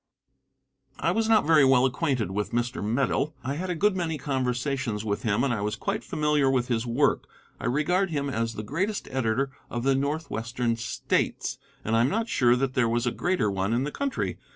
Answer. I was not very well acquainted with Mr. Medill. I had a good many conversations with him, and I was quite familiar with his work. I regard him as the greatest editor of the Northwestern States and I am not sure that there was a greater one in the country.